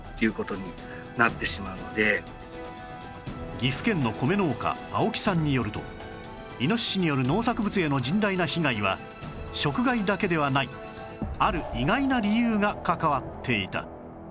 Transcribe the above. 岐阜県の米農家青木さんによるとイノシシによる農作物への甚大な被害は食害だけではないある意外な理由が関わっていた